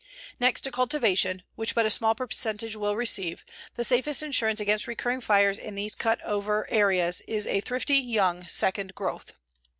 Next to cultivation, which but a small percentage will receive, the safest insurance against recurring fires in these cut over areas is a thrifty young second growth.